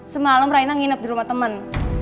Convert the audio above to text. semalam raina nginep di rumah teman